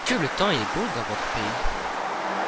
Que le temps est beau dans votre pays !